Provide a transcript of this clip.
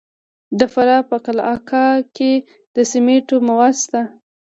د فراه په قلعه کاه کې د سمنټو مواد شته.